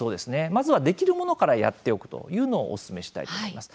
まずはできるものからやっておくというのをおすすめしたいと思います。